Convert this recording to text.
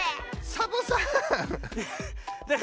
サボさん。